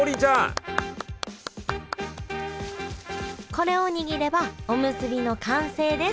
これを握ればおむすびの完成です